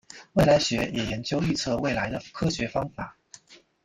未来学也研究预测未来的科学方法。